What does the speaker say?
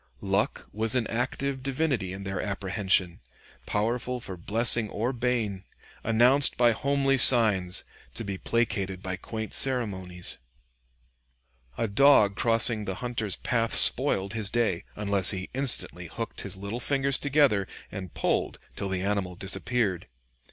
Luck was an active divinity in their apprehension, powerful for blessing or bane, announced by homely signs, to be placated by quaint ceremonies. A dog crossing the hunter's path spoiled his day, unless he instantly hooked his little fingers together, and pulled till the animal disappeared.